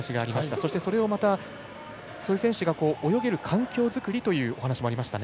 そして、そういう選手が泳げる環境作りというお話がありました。